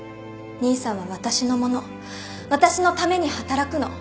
兄さんは私のもの私のために働くの